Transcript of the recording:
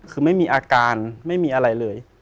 คือไม่มีอาการไม่มีอะไรเลย